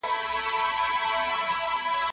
که کشف وکړو نو راز نه پټیږي.